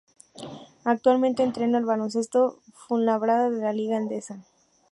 Actualmente entrena al Baloncesto Fuenlabrada de la Liga Endesa.